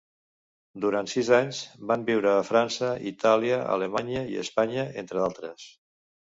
Durant sis anys van viure a França, Itàlia, Alemanya i Espanya, entre d'altres.